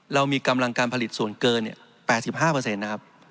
เรามีกำลังการผลิตส่วนเกิน๘๕